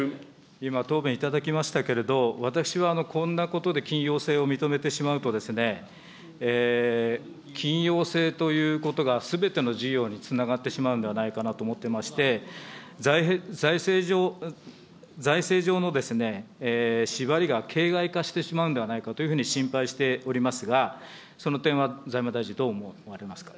今、答弁いただきましたけれど、私はこんなことで緊要性を認めてしまうと、緊要性ということがすべての事業につながってしまうんではないかなと思っておりまして、財政上の縛りが形骸化してしまうんではないかというふうに心配しておりますが、その点は財務大臣、どう思われますか。